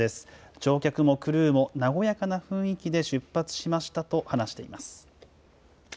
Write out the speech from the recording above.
乗客もクルーも、和やかな雰囲気で出発しましたと話しています。